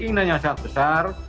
keinginan yang sangat besar